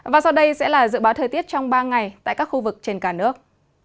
và sau đây sẽ là dự báo thời tiết trong ba ngày tại các khu vực trên cả nước